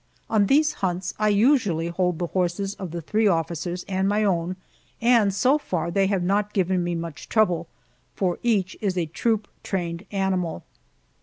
On these hunts I usually hold the horses of the three officers and my own, and so far they have not given me much trouble, for each one is a troop trained animal.